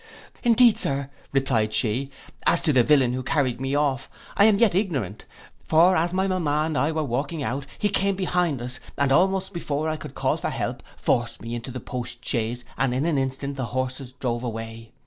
'Indeed, Sir,' replied she, 'as to the villain who carried me off, I am yet ignorant. For as my mamma and I were walking out, he came behind us, and almost before I could call for help, forced me into the post chaise, and in an instant the horses drove away.